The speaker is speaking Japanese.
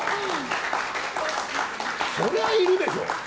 それはいるでしょ！